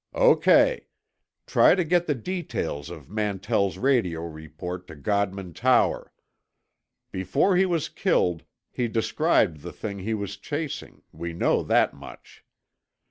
"O.K. Try to get the details of Mantell's radio report to Godman Tower. Before he was killed, he described the thing he was chasing—we know that much.